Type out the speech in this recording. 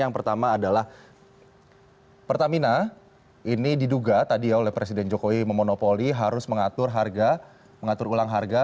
yang pertama adalah pertamina ini diduga tadi ya oleh presiden jokowi memonopoli harus mengatur harga mengatur ulang harga